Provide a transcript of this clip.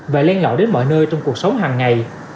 và lên lộ đến mọi nơi trong cuộc sống hàng ngày